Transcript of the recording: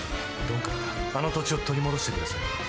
ドンからあの土地を取り戻してください。